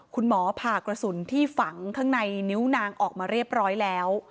คุณหมอผ่ากระสุนที่ฝังข้างในนิ้วนางออกมาเรียบร้อยแล้ว